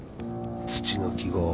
土の記号